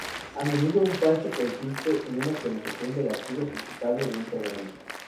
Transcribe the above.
A menudo un parche consiste en una actualización del archivo ejecutable de un programa.